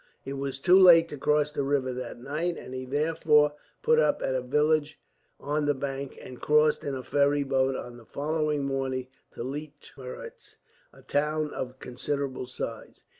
It was too late to cross the river that night, and he therefore put up at a village on the bank, and crossed in a ferry boat on the following morning to Leitmeritz, a town of considerable size.